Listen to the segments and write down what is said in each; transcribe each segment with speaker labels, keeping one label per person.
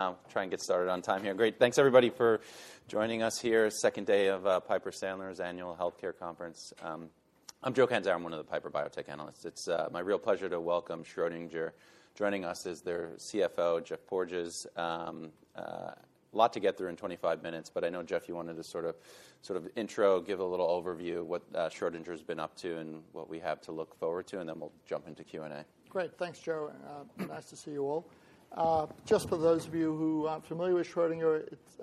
Speaker 1: I'll try and get started on time here. Great. Thanks, everybody, for joining us here. Second day of Piper Sandler's Annual Healthcare Conference. I'm Joe Catanzaro, I'm one of the Piper Biotech Analysts. It's my real pleasure to welcome Schrödinger. Joining us is their CFO, Geoff Porges. A lot to get through in 25 minutes, but I know, Geoff, you wanted to sort of, sort of intro, give a little overview what Schrödinger's been up to and what we have to look forward to, and then we'll jump into Q&A.
Speaker 2: Great. Thanks, Joe. Nice to see you all. Just for those of you who aren't familiar with Schrödinger, it's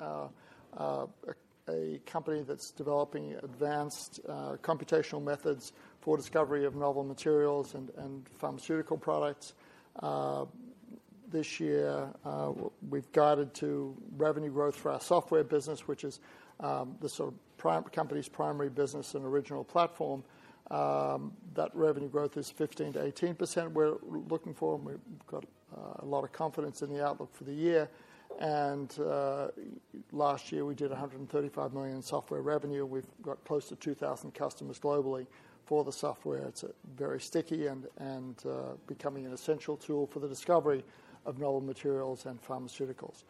Speaker 2: a company that's developing advanced computational methods for discovery of novel materials and pharmaceutical products. This year we've guided to revenue growth for our software business, which is the company's primary business and original platform. That revenue growth is 15%-18%. We're looking for, and we've got a lot of confidence in the outlook for the year. Last year, we did $135 million in software revenue. We've got close to 2,000 customers globally for the software. It's very sticky and becoming an essential tool for the discovery of novel materials and pharmaceuticals.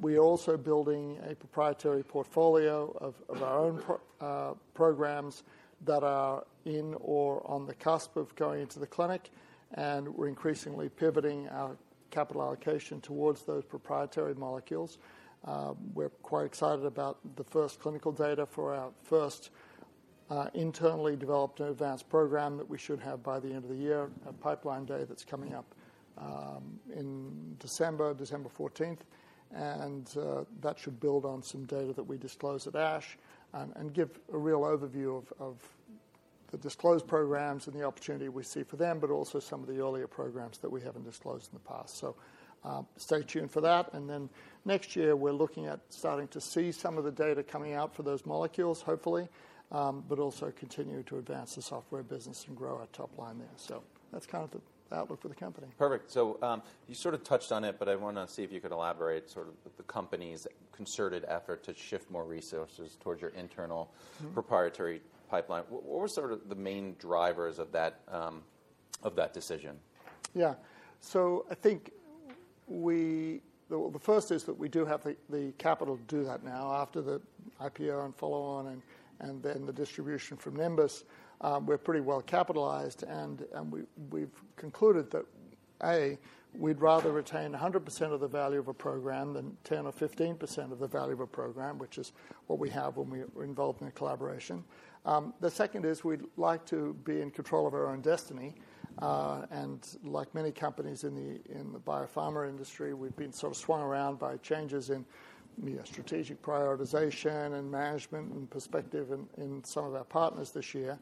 Speaker 2: We are also building a proprietary portfolio of our own programs that are in or on the cusp of going into the clinic, and we're increasingly pivoting our capital allocation towards those proprietary molecules. We're quite excited about the first clinical data for our first internally developed and advanced program that we should have by the end of the year, a Pipeline day that's coming up in December, December fourteenth. That should build on some data that we disclose at ASH and give a real overview of the disclosed programs and the opportunity we see for them, but also some of the earlier programs that we haven't disclosed in the past. Stay tuned for that. Next year, we're looking at starting to see some of the data coming out for those molecules, hopefully, but also continue to advance the software business and grow our top line there. That's kind of the outlook for the company.
Speaker 1: Perfect. So, you sort of touched on it, but I wanna see if you could elaborate sort of the company's concerted effort to shift more resources towards your internal proprietary pipeline. What were sort of the main drivers of that decision?
Speaker 2: Yeah. So I think well, the first is that we do have the capital to do that now. After the IPO and follow-on, and then the distribution from Nimbus, we're pretty well capitalized, and we've concluded that, A, we'd rather retain 100% of the value of a program than 10% or 15% of the value of a program, which is what we have when we're involved in a collaboration. The second is we'd like to be in control of our own destiny, and like many companies in the biopharma industry, we've been sort of swung around by changes in, you know, strategic prioritization and management and perspective in some of our partners this year.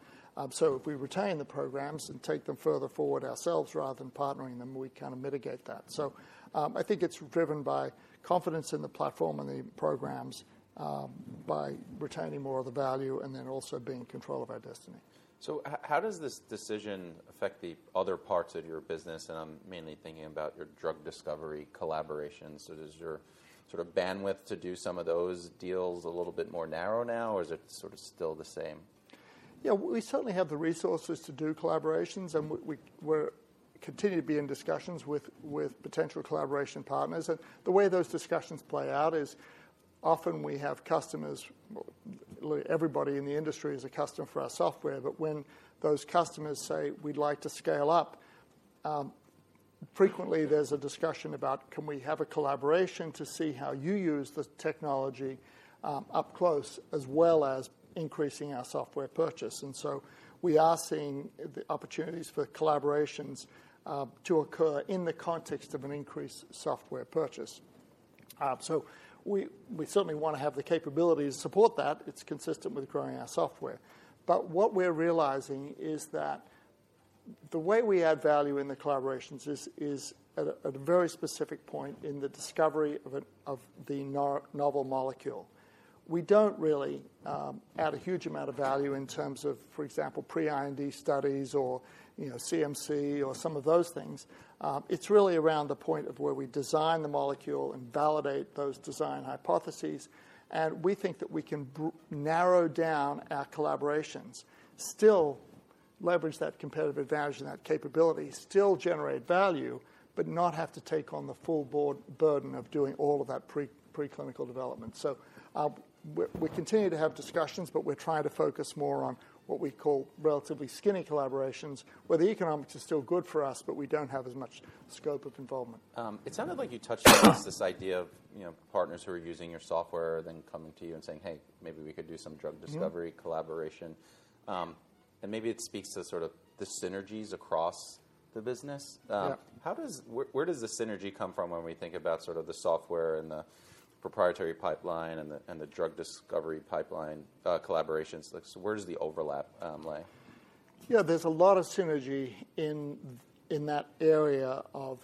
Speaker 2: So if we retain the programs and take them further forward ourselves rather than partnering them, we kind of mitigate that. So, I think it's driven by confidence in the platform and the programs, by retaining more of the value and then also being in control of our destiny.
Speaker 1: So how does this decision affect the other parts of your business? I'm mainly thinking about your drug discovery collaborations. Is your sort of bandwidth to do some of those deals a little bit more narrow now, or is it sort of still the same?
Speaker 2: Yeah, we certainly have the resources to do collaborations, and we continue to be in discussions with potential collaboration partners. The way those discussions play out is often we have customers. Well, everybody in the industry is a customer for our software, but when those customers say, "We'd like to scale up," frequently there's a discussion about, "Can we have a collaboration to see how you use the technology up close, as well as increasing our software purchase?" So we are seeing the opportunities for collaborations to occur in the context of an increased software purchase. So we certainly wanna have the capability to support that. It's consistent with growing our software. But what we're realizing is that the way we add value in the collaborations is at a very specific point in the discovery of the novel molecule. We don't really add a huge amount of value in terms of, for example, pre-IND studies or, you know, CMC or some of those things. It's really around the point of where we design the molecule and validate those design hypotheses, and we think that we can narrow down our collaborations, still leverage that competitive advantage and that capability, still generate value, but not have to take on the full burden of doing all of that preclinical development. So, we continue to have discussions, but we're trying to focus more on what we call relatively skinny collaborations, where the economics is still good for us, but we don't have as much scope of involvement.
Speaker 1: It sounded like you touched on this idea of, you know, partners who are using your software, then coming to you and saying, "Hey, maybe we could do some drug discovery collaboration." Maybe it speaks to sort of the synergies across the business.
Speaker 2: Yeah.
Speaker 1: Where does the synergy come from when we think about sort of the software and the proprietary pipeline and the, and the drug discovery pipeline, collaborations? Like, so where does the overlap lie?
Speaker 2: Yeah, there's a lot of synergy in that area of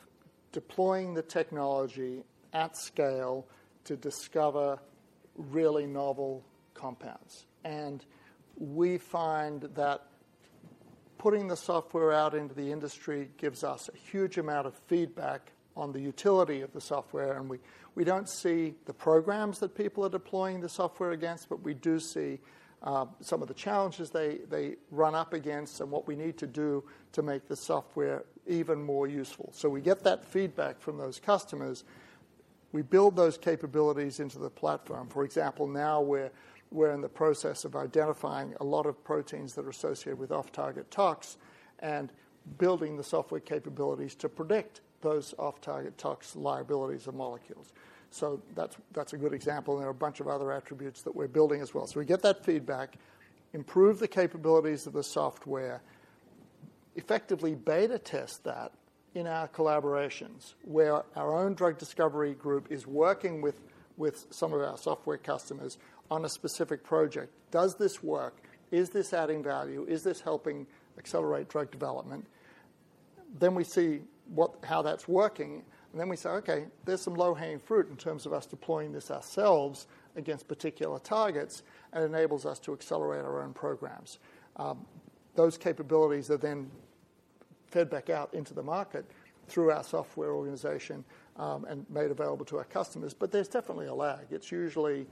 Speaker 2: deploying the technology at scale to discover really novel compounds. And we find that putting the software out into the industry gives us a huge amount of feedback on the utility of the software, and we don't see the programs that people are deploying the software against, but we do see some of the challenges they run up against and what we need to do to make the software even more useful. So we get that feedback from those customers. We build those capabilities into the platform. For example, now we're in the process of identifying a lot of proteins that are associated with off-target tox, and building the software capabilities to predict those off-target tox liabilities of molecules. So that's, that's a good example, and there are a bunch of other attributes that we're building as well. So we get that feedback, improve the capabilities of the software, effectively beta test that in our collaborations, where our own drug discovery group is working with some of our software customers on a specific project. Does this work? Is this adding value? Is this helping accelerate drug development? Then we see how that's working, and then we say, "Okay, there's some low-hanging fruit in terms of us deploying this ourselves against particular targets," and it enables us to accelerate our own programs. Those capabilities are then fed back out into the market through our software organization, and made available to our customers, but there's definitely a lag. It's usually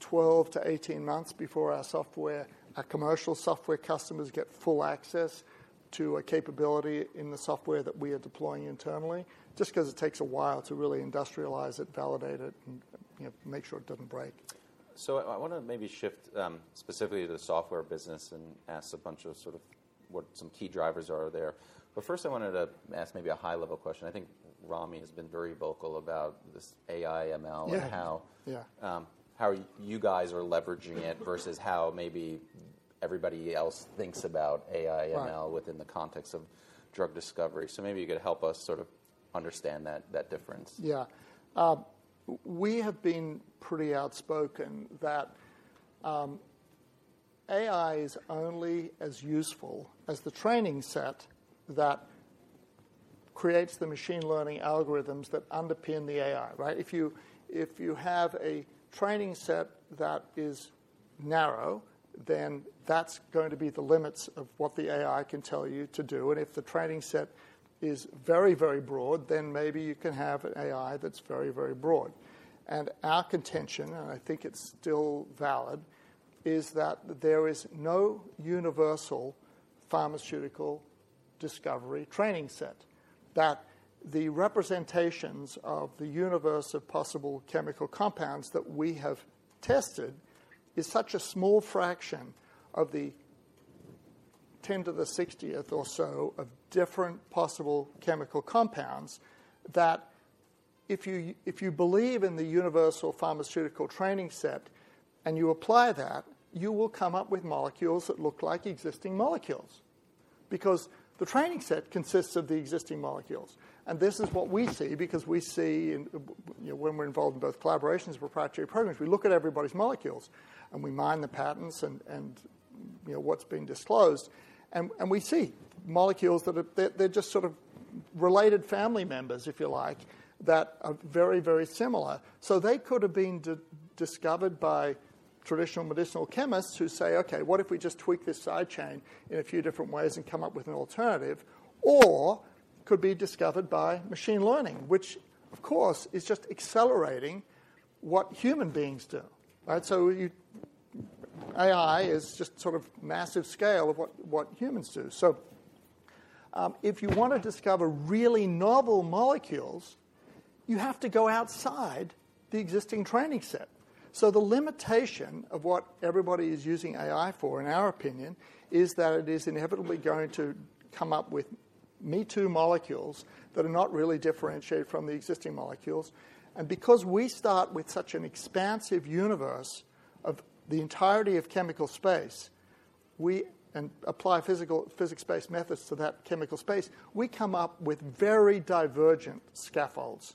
Speaker 2: 12-18 months before our software, our commercial software customers get full access to a capability in the software that we are deploying internally, just 'cause it takes a while to really industrialize it, validate it, and, you know, make sure it doesn't break.
Speaker 1: So I wanna maybe shift, specifically to the software business and ask a bunch of sort of what some key drivers are there. But first, I wanted to ask maybe a high-level question. I think Ramy has been very vocal about this AI/ML-
Speaker 2: Yeah.
Speaker 1: -and how-
Speaker 2: Yeah.
Speaker 1: How you guys are leveraging it versus how maybe everybody else thinks about AI/ML within the context of drug discovery. So maybe you could help us sort of understand that, that difference?
Speaker 2: Yeah. We have been pretty outspoken that AI is only as useful as the training set that creates the machine learning algorithms that underpin the AI, right? If you have a training set that is narrow, then that's going to be the limits of what the AI can tell you to do, and if the training set is very, very broad, then maybe you can have an AI that's very, very broad. Our contention, and I think it's still valid, is that there is no universal pharmaceutical discovery training set, that the representations of the universe of possible chemical compounds that we have tested is such a small fraction of the 10 to the 60th or so of different possible chemical compounds, that if you, if you believe in the universal pharmaceutical training set and you apply that, you will come up with molecules that look like existing molecules. Because the training set consists of the existing molecules, and this is what we see, because we see, and, you know, when we're involved in both collaborations and proprietary programs, we look at everybody's molecules, and we mine the patents and, and, you know, what's been disclosed. And, and we see molecules that are... They're, they're just sort of related family members, if you like, that are very, very similar. So they could have been discovered by traditional medicinal chemists who say, "Okay, what if we just tweak this side chain in a few different ways and come up with an alternative?" Or could be discovered by machine learning, which, of course, is just accelerating what human beings do, right? So you... AI is just sort of massive scale of what, what humans do. So, if you want to discover really novel molecules, you have to go outside the existing training set. So the limitation of what everybody is using AI for, in our opinion, is that it is inevitably going to come up with me-too molecules that are not really differentiated from the existing molecules. And because we start with such an expansive universe of the entirety of chemical space, we... Apply physical, physics-based methods to that chemical space, we come up with very divergent scaffolds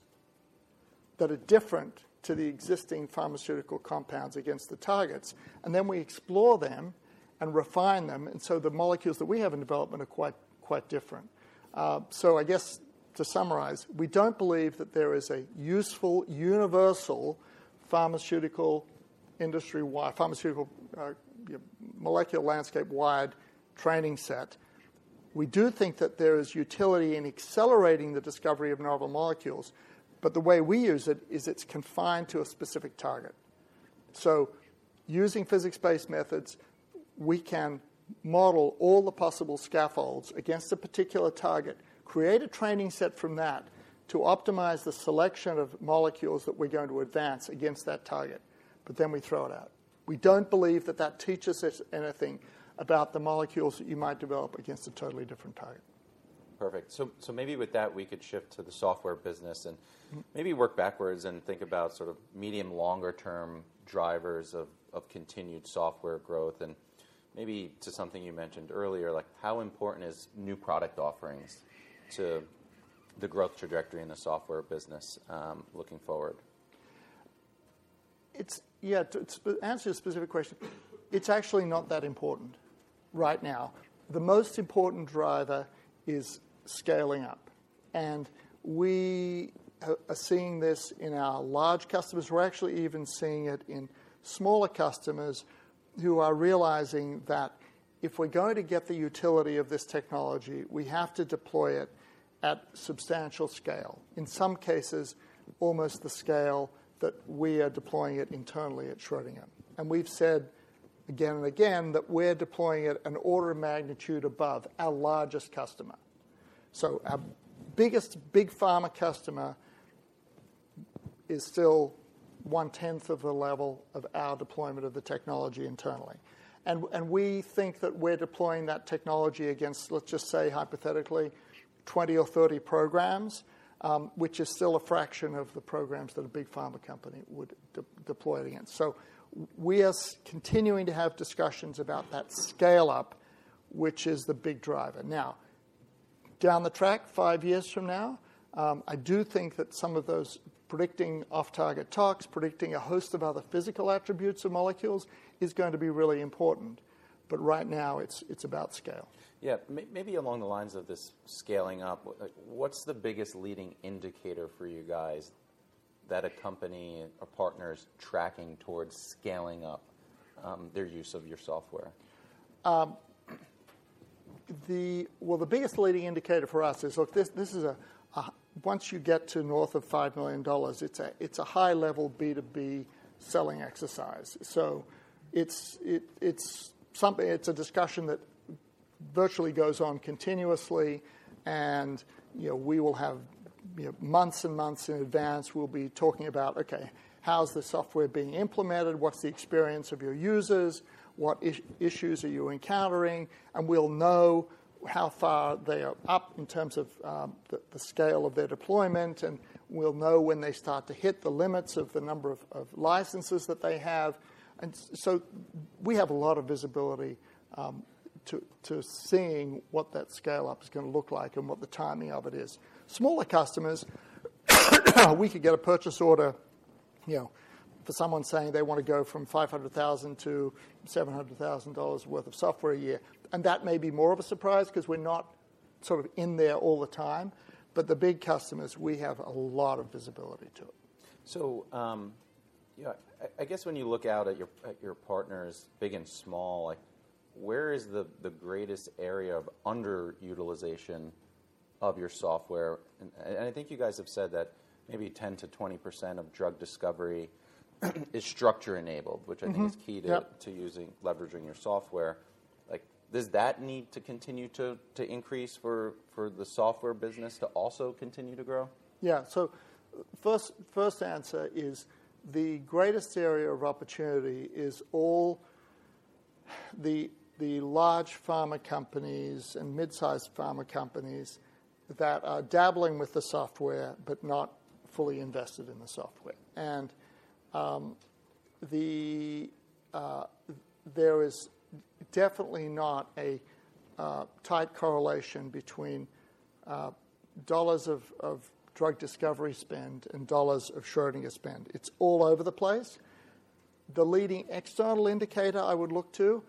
Speaker 2: that are different to the existing pharmaceutical compounds against the targets, and then we explore them and refine them, and so the molecules that we have in development are quite, quite different. So I guess to summarize, we don't believe that there is a useful, universal, pharmaceutical industry-wide, pharmaceutical, you know, molecular landscape-wide training set. We do think that there is utility in accelerating the discovery of novel molecules, but the way we use it is it's confined to a specific target. So using physics-based methods, we can model all the possible scaffolds against a particular target, create a training set from that to optimize the selection of molecules that we're going to advance against that target, but then we throw it out. We don't believe that that teaches us anything about the molecules that you might develop against a totally different target.
Speaker 1: Perfect. So, so maybe with that, we could shift to the software business and maybe work backwards and think about sort of medium, longer term drivers of, of continued software growth, and maybe to something you mentioned earlier, like how important is new product offerings to the growth trajectory in the software business, looking forward?
Speaker 2: Yeah, to answer your specific question, it's actually not that important right now. The most important driver is scaling up, and we are seeing this in our large customers. We're actually even seeing it in smaller customers who are realizing that if we're going to get the utility of this technology, we have to deploy it at substantial scale. In some cases, almost the scale that we are deploying it internally at Schrödinger. And we've said again and again that we're deploying at an order of magnitude above our largest customer. So our biggest big pharma customer is still 1/10 of the level of our deployment of the technology internally. And we think that we're deploying that technology against, let's just say, hypothetically, 20 or 30 programs, which is still a fraction of the programs that a big pharma company would deploy against. So we are continuing to have discussions about that scale-up, which is the big driver. Now, down the track, five years from now, I do think that some of those predicting off-target tox, predicting a host of other physical attributes of molecules, is going to be really important. But right now, it's about scale.
Speaker 1: Yeah. Maybe along the lines of this scaling up, what's the biggest leading indicator for you guys that a company or partner is tracking towards scaling up their use of your software?
Speaker 2: Well, the biggest leading indicator for us is, look, this is a. Once you get to north of $5 million, it's a high-level B2B selling exercise. So it's something. It's a discussion that virtually goes on continuously, and, you know, we will have, you know, months and months in advance, we'll be talking about, okay, how's the software being implemented? What's the experience of your users? What issues are you encountering? And we'll know how far they are up in terms of the scale of their deployment, and we'll know when they start to hit the limits of the number of licenses that they have. And so we have a lot of visibility to seeing what that scale-up is gonna look like and what the timing of it is. Smaller customers, we could get a purchase order, you know, for someone saying they want to go from $500,000-$700,000 worth of software a year. That may be more of a surprise 'cause we're not sort of in there all the time. But the big customers, we have a lot of visibility to it.
Speaker 1: So, yeah, I guess when you look out at your partners, big and small, like, where is the greatest area of underutilization of your software? And I think you guys have said that maybe 10%-20% of drug discovery is structure enabled which I think is key to using, leveraging your software. Like, does that need to continue to, to increase for, for the software business to also continue to grow?
Speaker 2: Yeah. So first, first answer is, the greatest area of opportunity is all the large pharma companies and mid-sized pharma companies that are dabbling with the software, but not fully invested in the software. And, the, There is definitely not a tight correlation between dollars of drug discovery spend and dollars of Schrödinger spend. It's all over the place. The leading external indicator I would look to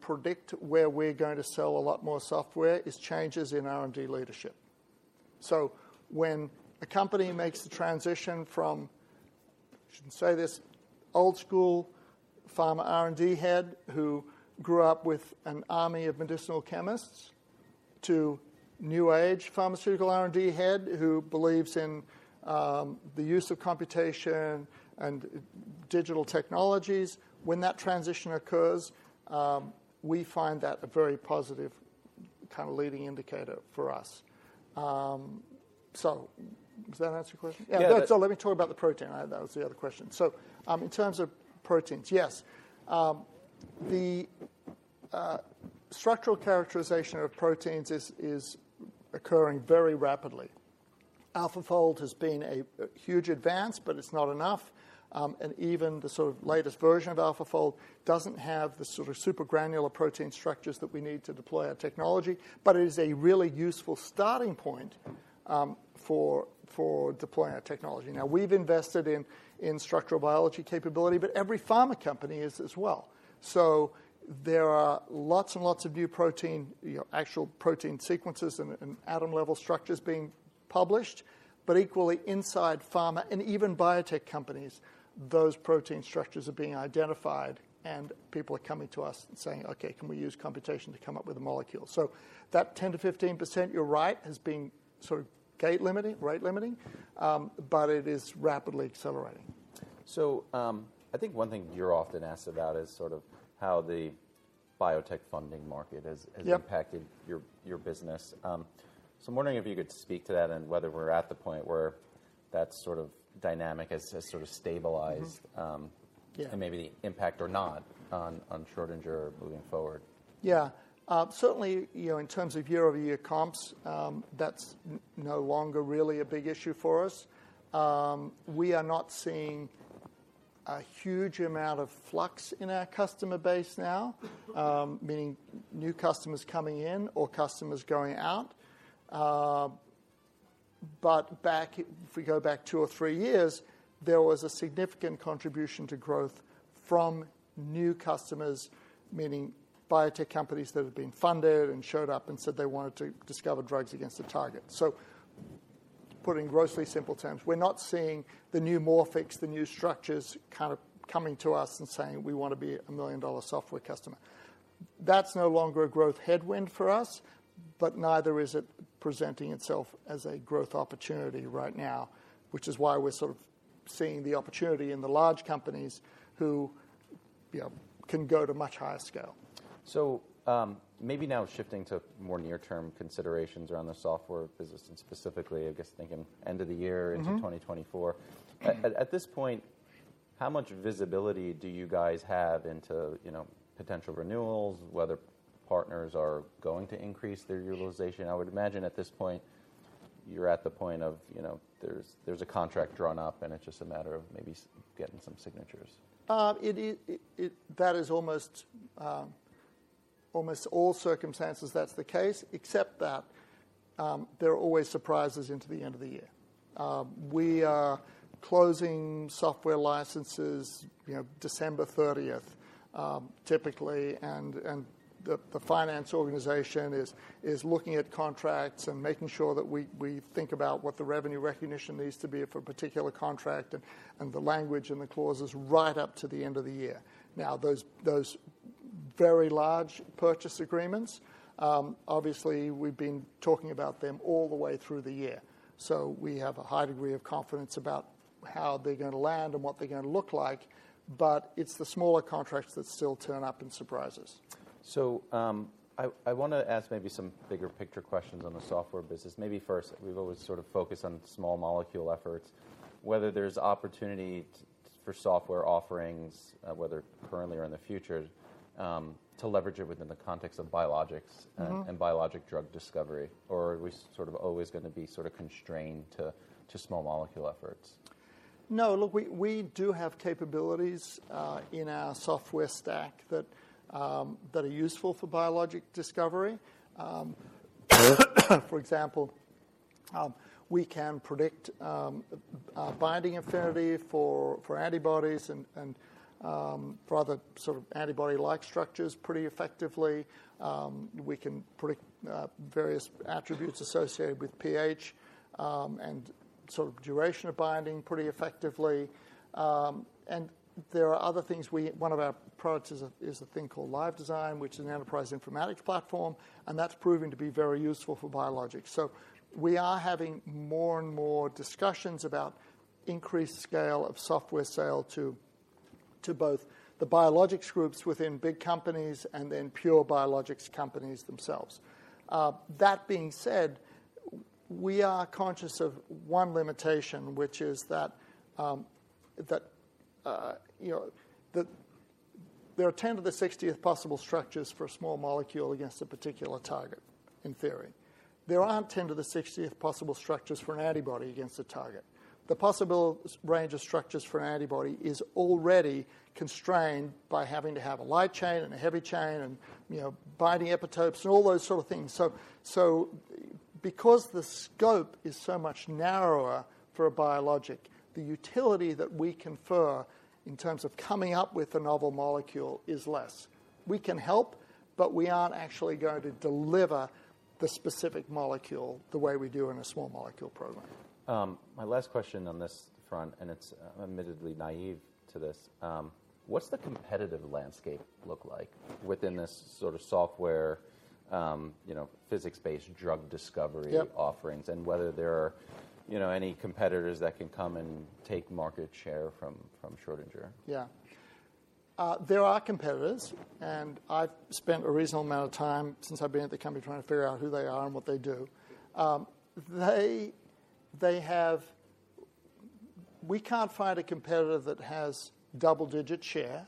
Speaker 2: predict where we're going to sell a lot more software is changes in R&D leadership. So when a company makes the transition from, I shouldn't say this, old-school pharma R&D head, who grew up with an army of medicinal chemists, to new-age pharmaceutical R&D head, who believes in the use of computation and digital technologies, when that transition occurs, we find that a very positive, kind of, leading indicator for us. So does that answer your question?
Speaker 1: Yeah.
Speaker 2: Yeah. So let me talk about the protein. That was the other question. So, in terms of proteins, yes, the structural characterization of proteins is occurring very rapidly. AlphaFold has been a huge advance, but it's not enough, and even the sort of latest version of AlphaFold doesn't have the sort of super granular protein structures that we need to deploy our technology, but it is a really useful starting point, for deploying our technology. Now, we've invested in structural biology capability, but every pharma company is as well. So there are lots and lots of new protein, you know, actual protein sequences and atom-level structures being published, but equally inside pharma and even biotech companies, those protein structures are being identified, and people are coming to us and saying, "Okay, can we use computation to come up with a molecule?" So that 10%-15%, you're right, has been sort of gate limiting, rate limiting, but it is rapidly accelerating.
Speaker 1: I think one thing you're often asked about is sort of how the biotech funding market has-
Speaker 2: Yep...
Speaker 1: has impacted your, your business. So I'm wondering if you could speak to that and whether we're at the point where that sort of dynamic has, has sort of stabilized and maybe the impact or not on, on Schrödinger moving forward.
Speaker 2: Yeah. Certainly, you know, in terms of year-over-year comps, that's no longer really a big issue for us. We are not seeing a huge amount of flux in our customer base now, meaning new customers coming in or customers going out. But if we go back two or three years, there was a significant contribution to growth from new customers, meaning biotech companies that had been funded and showed up and said they wanted to discover drugs against a target. So putting grossly simple terms, we're not seeing the new Morphic, the new Structure kind of coming to us and saying, "We want to be a million-dollar software customer.". That's no longer a growth headwind for us, but neither is it presenting itself as a growth opportunity right now, which is why we're sort of seeing the opportunity in the large companies who, you know, can go to much higher scale.
Speaker 1: So, maybe now shifting to more near-term considerations around the software business, and specifically, I guess, thinking end of the year into 2024. At this point, how much visibility do you guys have into, you know, potential renewals, whether partners are going to increase their utilization? I would imagine at this point, you're at the point of, you know, there's a contract drawn up, and it's just a matter of maybe getting some signatures.
Speaker 2: That is almost all circumstances that's the case, except that there are always surprises into the end of the year. We are closing software licenses, you know, December 30th, typically, and the finance organization is looking at contracts and making sure that we think about what the revenue recognition needs to be for a particular contract and the language and the clauses right up to the end of the year. Now, those very large purchase agreements, obviously we've been talking about them all the way through the year, so we have a high degree of confidence about how they're gonna land and what they're gonna look like, but it's the smaller contracts that still turn up and surprise us.
Speaker 1: So, I wanna ask maybe some bigger picture questions on the software business. Maybe first, we've always sort of focused on small molecule efforts, whether there's opportunity for software offerings, whether currently or in the future, to leverage it within the context of biologics and biologic drug discovery, or are we sort of always gonna be sorta constrained to small molecule efforts?
Speaker 2: No, look, we do have capabilities in our software stack that are useful for biologic discovery. For example, we can predict binding affinity for antibodies and for other sort of antibody-like structures pretty effectively. We can predict various attributes associated with pH and sort of duration of binding pretty effectively. One of our products is a thing called LiveDesign, which is an enterprise informatics platform, and that's proving to be very useful for biologics. So we are having more and more discussions about increased scale of software sale to both the biologics groups within big companies and then pure biologics companies themselves. That being said, we are conscious of one limitation, which is that, you know, that there are 10 to the 60th possible structures for a small molecule against a particular target, in theory. There aren't 10 to the 60th possible structures for an antibody against a target. The possible range of structures for an antibody is already constrained by having to have a light chain and a heavy chain and, you know, binding epitopes and all those sort of things. So because the scope is so much narrower for a biologic, the utility that we confer in terms of coming up with a novel molecule is less. We can help, but we aren't actually going to deliver the specific molecule the way we do in a small molecule program.
Speaker 1: My last question on this front, and it's, I'm admittedly naive to this, what's the competitive landscape look like within this sort of software, you know, physics-based drug discovery-
Speaker 2: Yep...
Speaker 1: offerings, and whether there are, you know, any competitors that can come and take market share from, from Schrödinger?
Speaker 2: Yeah. There are competitors, and I've spent a reasonable amount of time since I've been at the company trying to figure out who they are and what they do. We can't find a competitor that has double-digit share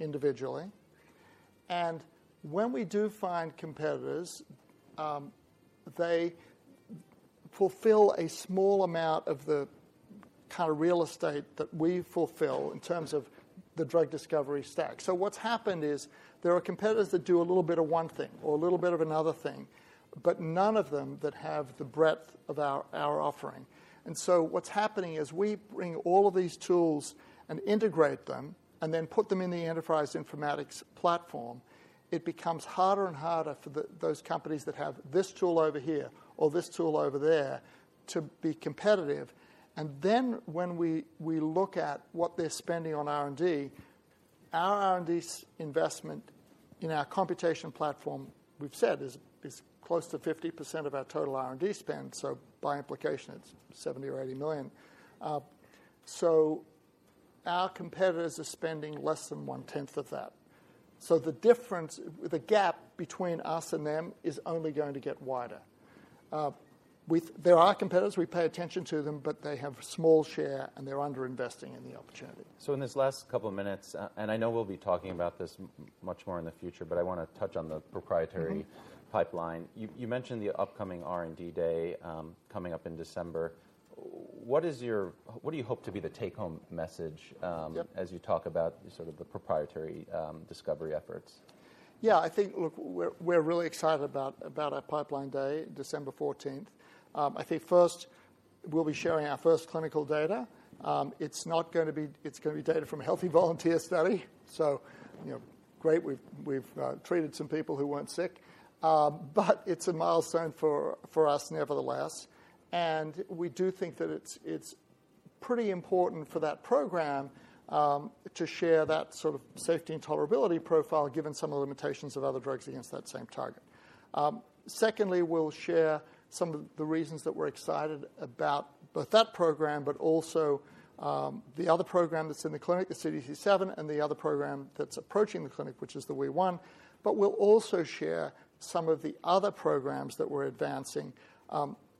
Speaker 2: individually, and when we do find competitors, they fulfill a small amount of the kinda real estate that we fulfill in terms of the drug discovery stack. So what's happened is there are competitors that do a little bit of one thing or a little bit of another thing, but none of them that have the breadth of our, our offering. And so what's happening is we bring all of these tools and integrate them and then put them in the enterprise informatics platform. It becomes harder and harder for those companies that have this tool over here or this tool over there to be competitive. Then, when we look at what they're spending on R&D, our R&D investment in our computation platform, we've said, is close to 50% of our total R&D spend, so by implication, it's $70 million-$80 million. So our competitors are spending less than one-tenth of that. The difference, the gap between us and them, is only going to get wider. We, there are competitors. We pay attention to them, but they have small share, and they're underinvesting in the opportunity.
Speaker 1: So in this last couple of minutes, and I know we'll be talking about this much more in the future, but I wanna touch on the proprietary-Mm-hmm.-pipeline. You mentioned the upcoming R&D Day coming up in December. What is your... What do you hope to be the take-home message?
Speaker 2: Yep...
Speaker 1: as you talk about sort of the proprietary discovery efforts?
Speaker 2: Yeah, I think, look, we're really excited about our Pipeline Day, December fourteenth. I think first we'll be sharing our first clinical data. It's not gonna be, it's gonna be data from a healthy volunteer study, so, you know, great, we've treated some people who weren't sick. But it's a milestone for us nevertheless, and we do think that it's pretty important for that program to share that sort of safety and tolerability profile, given some of the limitations of other drugs against that same target. Secondly, we'll share some of the reasons that we're excited about both that program but also the other program that's in the clinic, the CDC7, and the other program that's approaching the clinic, which is the WEE1. But we'll also share some of the other programs that we're advancing,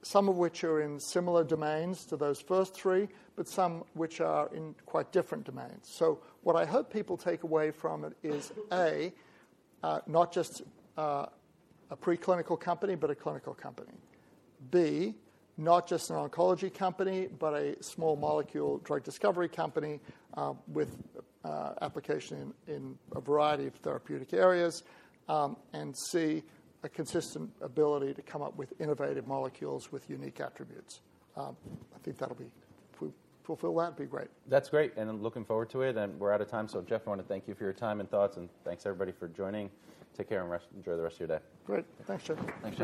Speaker 2: some of which are in similar domains to those first three, but some which are in quite different domains. So what I hope people take away from it is, A, not just a preclinical company, but a clinical company. B, not just an oncology company, but a small molecule drug discovery company, with application in a variety of therapeutic areas. And C, a consistent ability to come up with innovative molecules with unique attributes. I think that'll fulfill that, it'd be great.
Speaker 1: That's great, and I'm looking forward to it, and we're out of time. So, Geoff, I wanna thank you for your time and thoughts, and thanks, everybody, for joining. Take care, and enjoy the rest of your day.
Speaker 2: Great. Thanks, Joe.
Speaker 1: Thanks, Geoff.